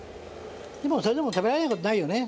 それでも食べられない事ないよね。